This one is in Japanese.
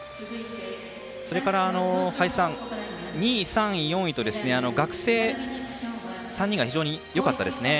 それから、２位、３位、４位と学生３人が非常によかったですね。